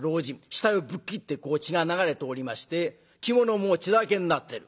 額をぶっ切って血が流れておりまして着物も血だらけになってる。